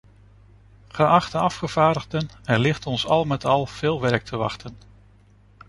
Geachte afgevaardigden, er ligt ons al met al veel werk te wachten.